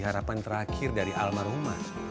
harapan terakhir dari alma roman